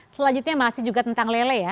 selanjutnya masih juga tentang lele ya